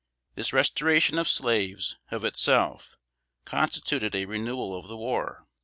This restoration of slaves, of itself, constituted a renewal of the war.